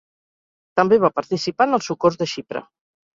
També va participar en el socors de Xipre.